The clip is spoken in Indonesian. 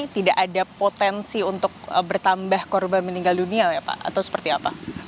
tidak ada potensi untuk bertambah korban meninggal dunia ya pak atau seperti apa